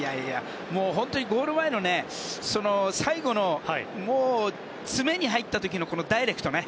本当にゴール前のね最後の詰めに入った時のダイレクトね。